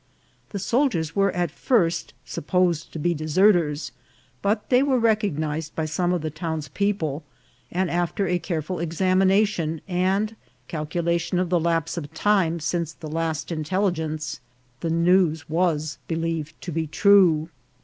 The soldiers were at first supposed to be deserters, but they were recognised by some of the town's people ; and after a careful examination and calculation of the lapse of time since the last intelligence, the news was believed to be true.